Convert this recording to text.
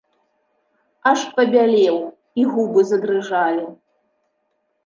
Аж пабялеў, і губы задрыжалі.